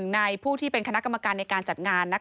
ในผู้ที่เป็นคณะกรรมการในการจัดงาน